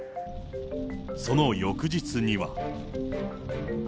その翌日には。